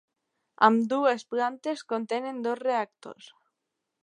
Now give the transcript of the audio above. Ambdues plantes contenen dos reactors.